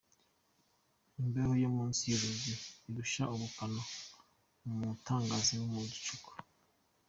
Imbeho yo munsi y’urugi irusha ubukana umutangaze wo mu gicuku.